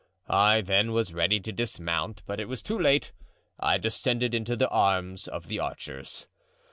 I then was ready to dismount, but it was too late; I descended into the arms of the archers.